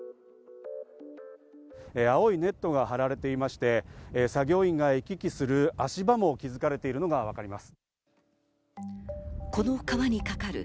青いネットが張られていまして、作業員が行き来する足場も築かれているのがわかります。